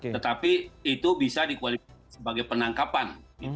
tetapi itu bisa dikualifikasi sebagai penangkapan